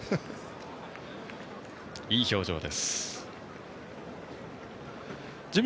いい表情です。